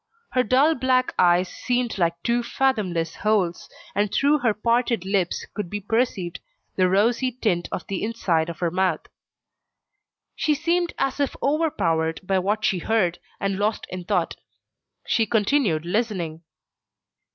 Her dull black eyes seemed like two fathomless holes, and through her parted lips could be perceived the rosy tint of the inside of her mouth. She seemed as if overpowered by what she heard, and lost in thought. She continued listening.